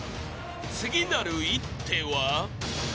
次なる一手は？］